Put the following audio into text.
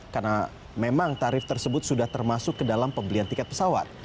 karena memang tarif tersebut sudah termasuk ke dalam pembelian tiket pesawat